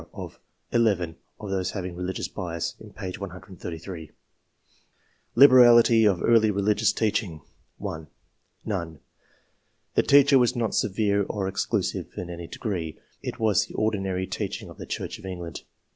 of (11) of those having "religious bias'' in p. 133.] Liberality of early religious teaching. — 1. " None. The teaching was not severe or ex clusive in any degree ; it was the ordinary teaching of the Church of England."